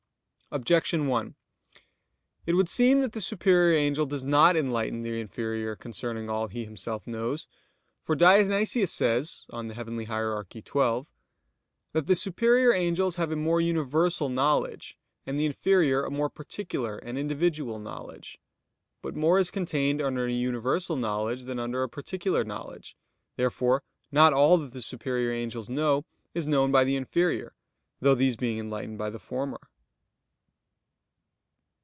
Objection 1: It would seem that the superior angel does not enlighten the inferior concerning all he himself knows. For Dionysius says (Coel. Hier. xii) that the superior angels have a more universal knowledge; and the inferior a more particular and individual knowledge. But more is contained under a universal knowledge than under a particular knowledge. Therefore not all that the superior angels know, is known by the inferior, through these being enlightened by the former.